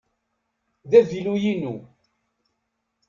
D avilu-inu.